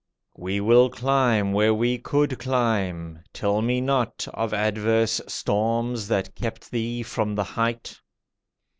We will climb where we could climb. Tell me not Of adverse storms that kept thee from the height.